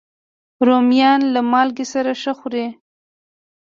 رومیان له مالګې سره ښه خوري